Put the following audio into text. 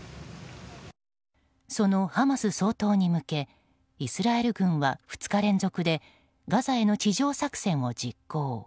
そのハマス掃討に向けイスラエル軍は２日連続でガザへの地上作戦を実行。